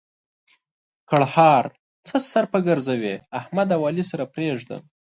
ګړهار: څه سر په ګرځوې؛ احمد او علي سره پرېږده.